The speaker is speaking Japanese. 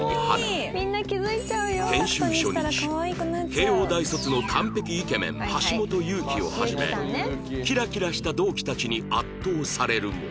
研修初日慶應大卒の完璧イケメン橋本祐希をはじめキラキラした同期たちに圧倒されるも